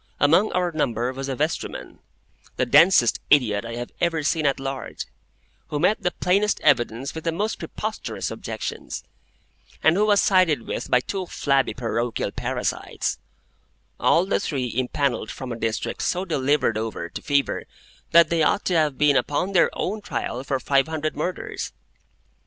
Among our number was a vestryman,—the densest idiot I have ever seen at large,—who met the plainest evidence with the most preposterous objections, and who was sided with by two flabby parochial parasites; all the three impanelled from a district so delivered over to Fever that they ought to have been upon their own trial for five hundred Murders.